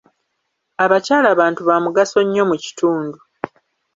Abakyala bantu ba mugaso nnyo mu kitundu.